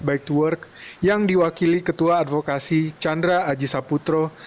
bike to work yang diwakili ketua advokasi chandra aji saputro